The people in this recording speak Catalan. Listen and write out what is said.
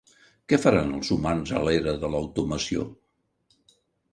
Què faran els humans a l'era de l'automació?